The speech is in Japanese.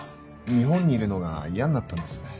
日本にいるのが嫌になったんです。